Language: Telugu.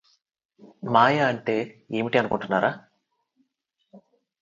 మాయ అంటే ఏమిటి అనుకుంటున్నారా